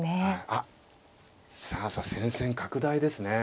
あっさあさあ戦線拡大ですね。